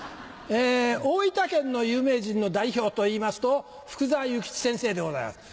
大分県の有名人の代表といいますと福沢諭吉先生でございます。